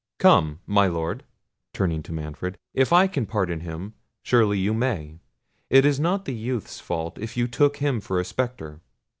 Come, my Lord," (turning to Manfred), "if I can pardon him, surely you may; it is not the youth's fault, if you took him for a spectre."